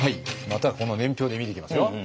またこの年表で見ていきますよ。